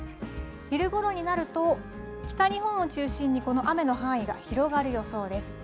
昼ごろになると北日本を中心にこの雨の範囲が広がる予想です。